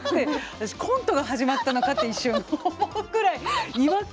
私コントが始まったのかって一瞬思うくらい違和感まだまだ。